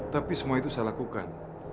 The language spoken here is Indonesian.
tapi semua itu saya lakukan